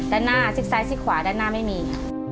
ด้านหน้าซิกซ้ายซิกขวาด้านหน้าไม่มี